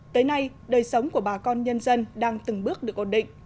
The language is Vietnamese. tới nay đời sống của bà con nhân dân đang từng bước được ổn định